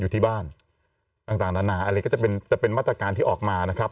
อยู่ที่บ้านต่างอะไรก็จะเป็นมาตรการที่ออกมานะครับ